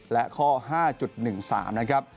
และข้อ๕๑๓นะครับ